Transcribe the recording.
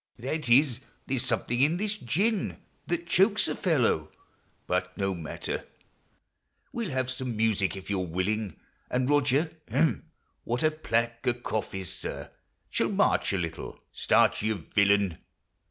— That is, there 's something in this gin That chokes a fellow. But no matter ! We '11 have some music, if you 're willing, And Roger (hem ! what a plague a cough is, sir !) Shall march a little. Start, you villain